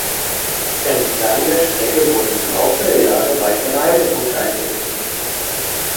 Entlang der Strecke wurden im Laufe der Jahre weitere Haltepunkte eingerichtet.